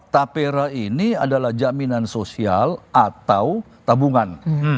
tapera ini adalah jaminan sosial atau tabungan